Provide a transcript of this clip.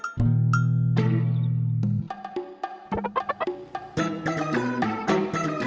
akan ada utusan mereka yang datang kesini